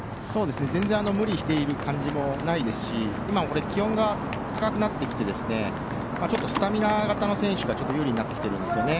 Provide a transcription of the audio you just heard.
全然、無理している感じもないですし今、気温が高くなってきてスタミナ型の選手がちょっと有利になってきているんですね。